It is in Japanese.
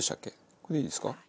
これでいいですか？